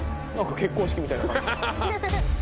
結婚式みたいな。